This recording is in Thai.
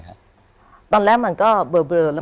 คุณซูซี่